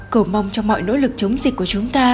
cầu mong cho mọi nỗ lực chống dịch của chúng ta